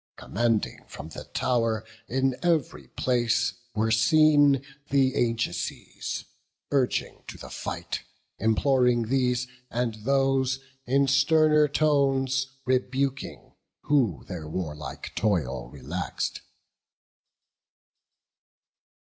Commanding from the tow'r in ev'ry place Were seen th' Ajaces, urging to the fight, Imploring these, and those in sterner tones Rebuking, who their warlike toil relax'd.